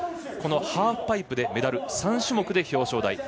このハーフパイプでメダル３種目で表彰台。